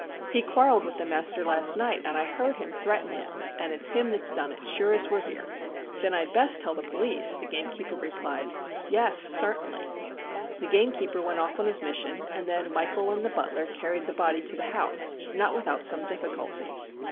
He quarrelled with the master last night, and I heard him threaten him, and it's him that's done it as sure as we are here.' ' Then I had best tell the police,' the gamekeeper replied. ' Yes, certainly.' The gamekeeper went off on his mission, and then Michael and the butler carried the body to the house, not without some difficulty.